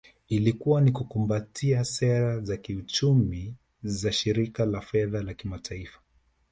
Ilikuwa ni kukumbatia sera za kiuchumi za Shirika la Fedha la Kimataifa